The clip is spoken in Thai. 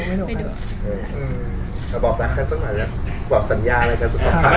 บอกรักข้าจะมาแล้วบอกสัญญาล่ะครับ